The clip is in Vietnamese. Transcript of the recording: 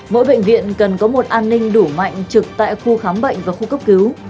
mỗi bệnh viện cần có một an ninh đủ mạnh trực tại khu khám bệnh và khu cấp cứu